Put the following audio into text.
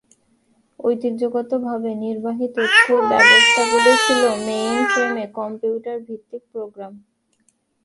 ঐতিহ্যগতভাবে, নির্বাহী তথ্য ব্যবস্থাগুলি ছিল মেইনফ্রেম কম্পিউটার-ভিত্তিক প্রোগ্রাম।